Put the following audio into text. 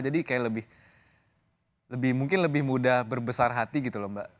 jadi kayak lebih mungkin lebih mudah berbesar hati gitu loh mbak